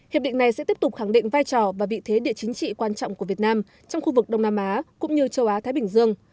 hiệp định này sẽ tiếp tục khẳng định vai trò và vị thế địa chính trị quan trọng của việt nam trong khu vực đông nam á cũng như châu á thái bình dương